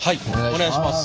お願いします。